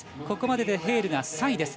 ここまででヘールが３位。